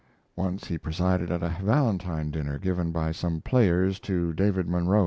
Once he presided at a Valentine dinner given by some Players to David Munro.